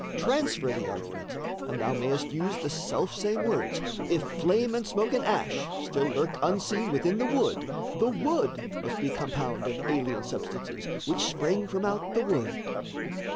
Transfer the argument, and thou may'st use The selfsame words: if flame and smoke and ash Still lurk unseen within the wood, the wood Must be compound of alien substances Which spring from out the wood.